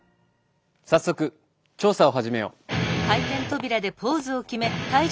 早速調査を始めよう。